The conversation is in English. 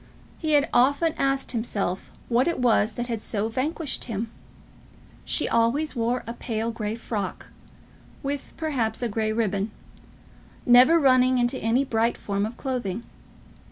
He had often asked himself what it was that had so vanquished him. She always wore a pale grey frock, with, perhaps, a grey ribbon, never running into any bright form of clothing.